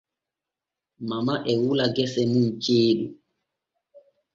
Mama e wula gese mun ceeɗu.